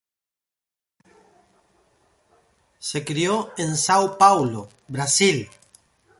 Se crió en São Paulo, Brasil.